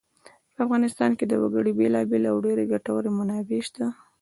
په افغانستان کې د وګړي بېلابېلې او ډېرې ګټورې منابع شته.